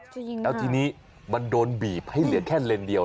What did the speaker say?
จริงแล้วทีนี้มันโดนบีบให้เหลือแค่เลนส์เดียว